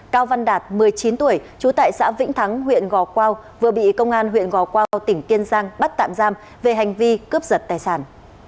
cao văn đạt một mươi chín tuổi trú tại xã vĩnh thắng huyện gò quao vừa bị công an huyện gò quao tỉnh kiên giang bắt tạm giam về hành vi cướp giật tài sản